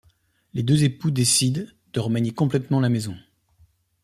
Les deux époux décide de remanier complètement la maison.